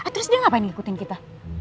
terus dia ngapain ikutin kita